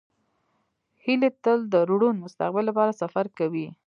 هیلۍ تل د روڼ مستقبل لپاره سفر کوي